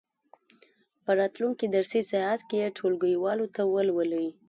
په راتلونکې درسي ساعت کې یې ټولګیوالو ته ولولئ.